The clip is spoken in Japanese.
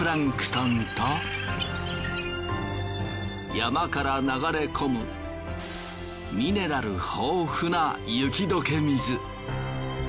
山から流れ込むミネラル豊富な雪解け水。